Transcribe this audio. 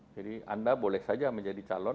jadi anda boleh saja menjadi calon